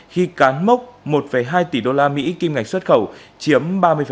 khi cán mốc một hai tỷ đô la mỹ kim ngạch xuất khẩu chiếm ba mươi